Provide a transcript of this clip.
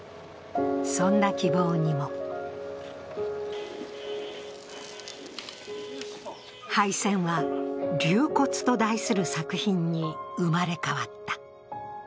そんな希望にも廃船は「龍骨」と題する作品に生まれ変わった。